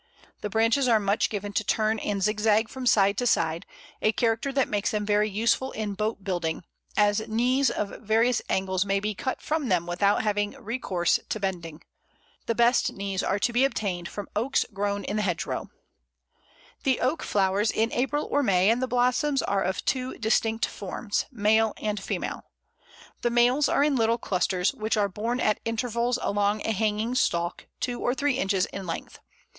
The branches are much given to turn and zig zag from side to side a character that makes them very useful in boat building, as "knees" of various angles may be cut from them without having recourse to bending. The best knees are to be obtained from Oaks grown in the hedgerow. [Illustration: Oak. A, female flower; B, male flowers.] The Oak flowers in April or May, and the blossoms are of two distinct forms male and female. The males are in little clusters, which are borne at intervals along a hanging stalk, two or three inches in length.